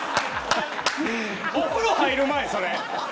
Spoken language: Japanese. お風呂入る前、それ。